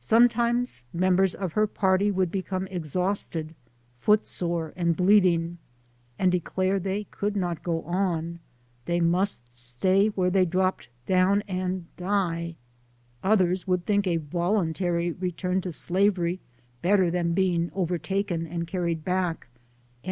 Sometimes members of her party would become exhausted, foot sore, and bleeding, and declare they could not go on, they must stay where they dropped down, and die ; others would think a voluntary return to slavery better than being overtaken and carried back, and LIFE OF HARRIET TUBMAX.